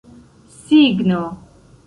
signo